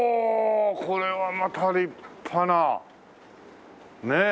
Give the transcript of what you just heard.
これはまた立派なねえ。